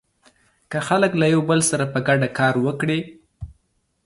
که خلک له يو بل سره په ګډه کار وکړي.